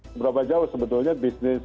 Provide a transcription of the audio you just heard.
seberapa jauh sebetulnya bisnisnya